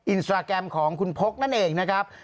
อินสตราแกรมของคุณพกนั่นเองนะครับ